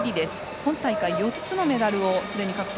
今大会４つのメダルをすでに獲得。